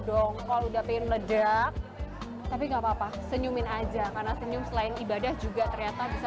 dongkol dapet ledak tapi nggak cocok senyumin aja karena senyum selain ibadah juga ternyata bisa